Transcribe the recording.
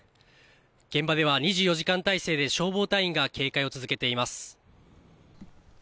現場では２４時間態勢で消防隊員が警戒を続けています。